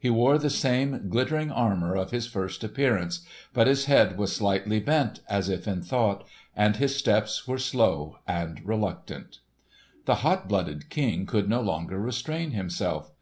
He wore the same glittering armour of his first appearance, but his head was slightly bent as if in thought, and his steps were slow and reluctant. The hot blooded King could no longer restrain himself.